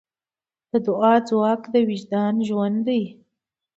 د دعا ځواک د وجدان ژوند دی.